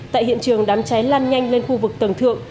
tại hiện trường đám cháy lan nhanh lên khu vực tầng thượng